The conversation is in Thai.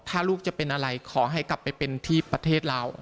ถ้าลูกจะเป็นอะไรขอให้กลับไปเป็นที่ประเทศลาว